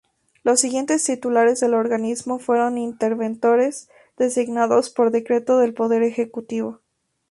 Los siguientes titulares del organismo fueron interventores designados por decreto del Poder Ejecutivo.